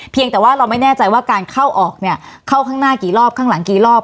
แต่ว่าเราไม่แน่ใจว่าการเข้าออกเนี่ยเข้าข้างหน้ากี่รอบข้างหลังกี่รอบ